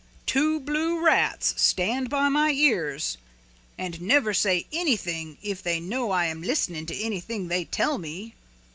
"Two blue rats stand by my ears and never say anything even if they know I am listening to anything they tell me."